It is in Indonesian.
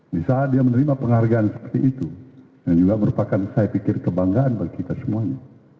di saat dia menerima penghargaan seperti itu yang juga merupakan saya pikir kebanggaan bagi kita semuanya